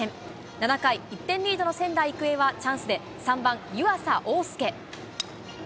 ７回、１点リードの仙台育英はチャンスで３番湯浅桜翼。